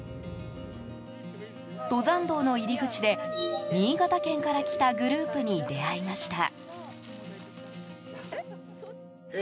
登山道の入り口で新潟県から来たグループに出会いました。